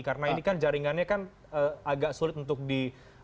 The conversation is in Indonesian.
karena ini kan jaringannya kan agak sulit untuk di